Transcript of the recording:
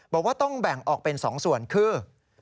บอกว่าต้องแบ่งออกเป็น๒ส่วนคือ